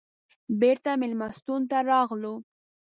بېرته مېلمستون ته راغلو.